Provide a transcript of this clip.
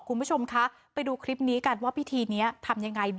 คุณผู้ชมคะไปดูคลิปนี้กันว่าพิธีนี้ทำยังไง